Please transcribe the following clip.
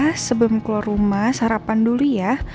karena sebelum keluar rumah sarapan dulu ya